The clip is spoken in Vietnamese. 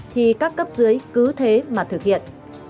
thì các cấp dưới cứ thế mà thực hiện